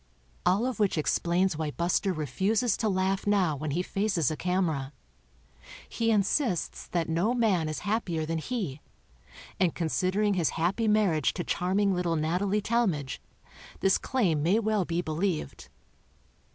All of which explains why Buster refuses to laugh now when he faces a camera. He insists that no man is hap pier than he, and considering his happy marriage to charming little Natalie Tal madge, this claim may well be believed.